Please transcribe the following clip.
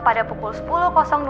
pada pukul sepuluh dua puluh